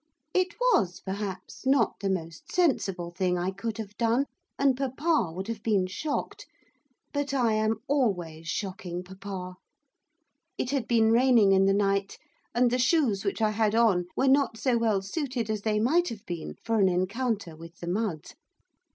It was, perhaps, not the most sensible thing I could have done, and papa would have been shocked; but I am always shocking papa. It had been raining in the night, and the shoes which I had on were not so well suited as they might have been for an encounter with the mud.